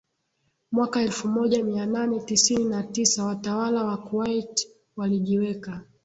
mwaka elfu moja Mia nane tisini na tisa watawala wa Kuwait walijiweka